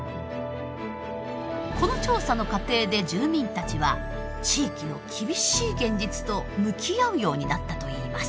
この調査の過程で住民たちは地域の厳しい現実と向き合うようになったといいます。